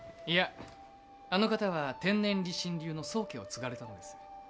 いやあの方は天然理心流の宗家を継がれたのです。